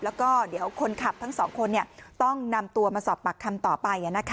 แล้วก็เดี๋ยวคนขับทั้งสองคนต้องนำตัวมาสอบปากคำต่อไป